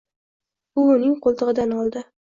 Bu uning qo‘ltig‘idan oldi.